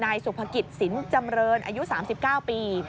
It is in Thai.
สุภกิจสินจำเรินอายุ๓๙ปี